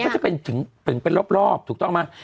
ถึงเป็นรอบถูกต้องมาก